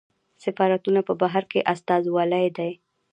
سفارتونه په بهر کې استازولۍ دي